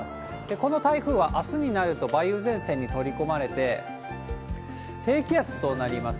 この台風は、あすになると梅雨前線に取り込まれて、低気圧となります。